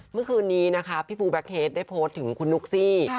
เมื่อคืนนี้นะคะพี่บูแบ็คเฮดได้โพสต์ถึงคุณนุ๊กซี่